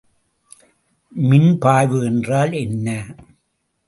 மின்பாய்வு என்றால் என்ன?